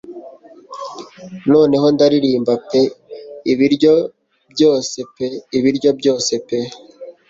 Noneho ndaririmba pe Ibiryo byose pe ibiryo byose pe